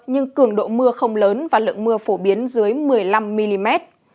nhưng cường độ mưa không lớn và lượng mưa phổ biến dưới một mươi năm mm